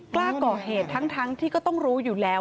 กล้าก่อเหตุทั้งที่ก็ต้องรู้อยู่แล้ว